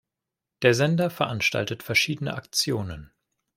Der Sender veranstaltet verschiedene Aktionen.